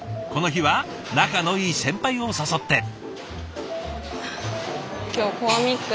この日は仲のいい先輩を誘って。